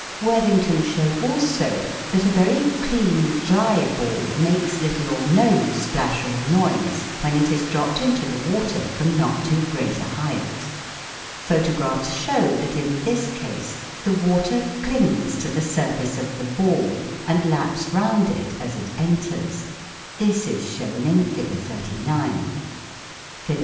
Worthington showed also that a very clean dry ball makes little or no splash or noise when it is dropped into the water from not too great a height. Photographs show that in this case the water clings to the surface of the ball and laps round it as it enters ; this is shown in Fig. 39. FIG.